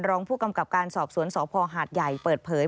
รองผู้กำกับการสอบสวนสพหาดใหญ่เปิดเผย